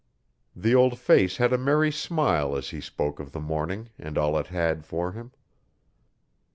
The old face had a merry smile as he spoke of the morning and all it had for him.